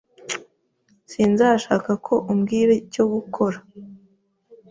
Sinzashaka ko umbwira icyo gukora.